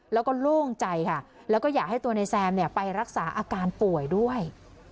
แล้วก็โล่งใจค่ะแล้วก็อยากให้ตัวในแซมไปรักษาอาการป่วยด้วย